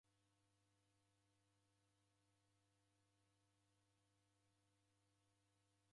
Olela w'ana w'ape w'imuobuoghe Mlungu.